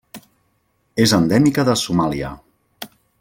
És endèmica de Somàlia.